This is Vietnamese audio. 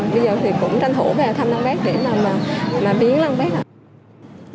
bây giờ thì cũng tranh thủ về thăm tăm bác để mà biến tăm bác lại